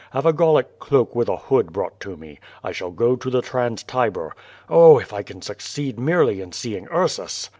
Have a Gallic cloak with a hood brought to me. I shall go to the trans Tiber. Oh, if I can succeed merely in seeing Ursus!"